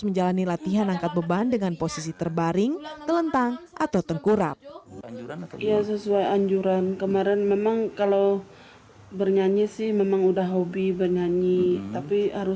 menjalani latihan angkat beban dengan posisi terbaring telentang atau tengkurap